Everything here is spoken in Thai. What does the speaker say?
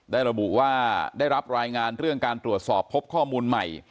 ระบุว่าได้รับรายงานเรื่องการตรวจสอบพบข้อมูลใหม่